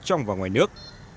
trong và ngoài nước